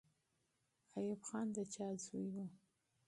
ایوب خان د چا زوی وو؟